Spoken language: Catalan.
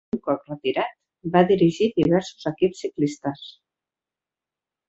Un cop retirat va dirigir diversos equips ciclistes.